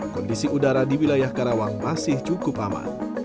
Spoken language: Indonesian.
kondisi udara di wilayah karawang masih cukup aman